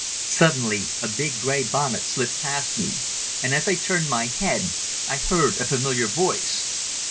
Suddenly a big grey bonnet slipped past me and as I turned my head I heard a familiar voice.